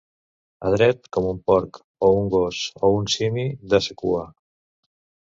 Adret com un porc o un gos o un simi de sa cua.